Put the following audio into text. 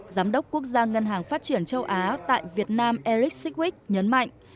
giám đốc quốc gia ngân hàng phát triển châu á tại việt nam eric sikwick nhấn mạnh